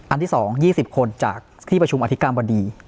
ที่๒๒๐คนจากที่ประชุมอธิการบดี